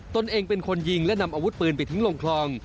ตนเองเป็นคนยิงและนำอาวุธปืนไปทิ้งลงคลอง